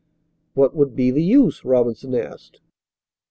"What would be the use?" Robinson asked.